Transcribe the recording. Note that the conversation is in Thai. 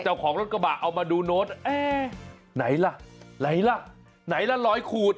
เจ้าของรถกระบะเอามาดูโน้ตเอ๊ไหนล่ะไหนล่ะไหนละร้อยขูด